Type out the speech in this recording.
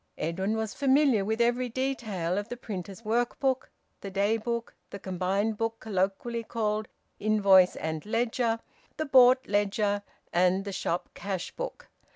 Edwin was familiar with every detail of the printer's work book, the daybook, the combined book colloquially called `invoice and ledger,' the `bought' ledger, and the shop cash book.